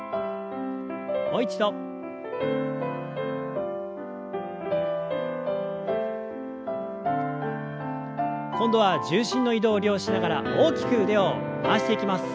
もう一度。今度は重心の移動を利用しながら大きく腕を回していきます。